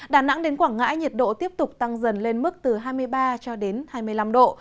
đà nẵng đến quảng ngãi nhiệt độ tiếp tục tăng dần lên mức từ hai mươi ba cho đến hai mươi năm độ